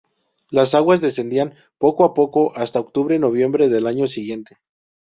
Las aguas descendían poco a poco hasta octubre-noviembre del año siguiente.